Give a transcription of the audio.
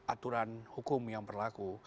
aturan hukum yang berlaku